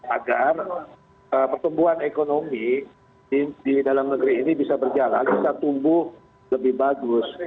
agar pertumbuhan ekonomi di dalam negeri ini bisa berjalan bisa tumbuh lebih bagus